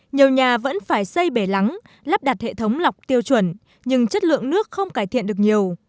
nhiều nhà vẫn phải xây bể lắng lắp đặt hệ thống lọc tiêu chuẩn nhưng chất lượng nước không cải thiện được nhiều